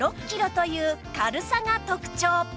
という軽さが特徴